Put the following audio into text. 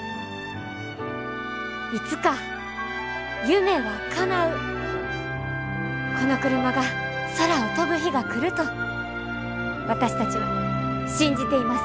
いつか夢はかなうこのクルマが空を飛ぶ日が来ると私たちは信じています。